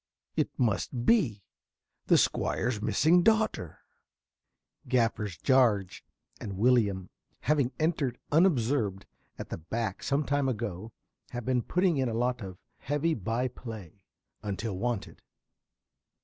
It must be! The Squire's missing daughter! (Gaffers Jarge and Willyum, _having entered unobserved at the back some time ago, have been putting in a lot of heavy by play until wanted.